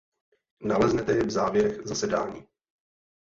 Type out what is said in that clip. Naleznete je v závěrech zasedání.